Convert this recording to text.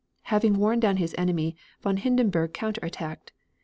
Having worn down his enemy, von Hindenburg counter attacked.